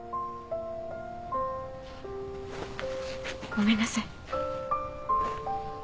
ごめんなさい。